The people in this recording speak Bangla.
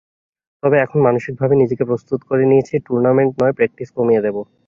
তবে এখন মানসিকভাবে নিজেকে প্রস্তুত করে নিয়েছি টুর্নামেন্ট নয়, প্র্যাকটিস কমিয়ে দেব।